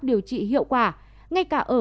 điều trị hiệu quả ngay cả ở